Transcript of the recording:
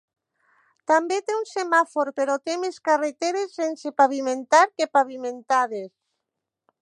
També té un semàfor, però té més carreteres sense pavimentar que pavimentades.